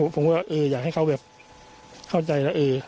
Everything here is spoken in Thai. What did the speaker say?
ผมว่าอยากให้เขาเข้าใจแล้ว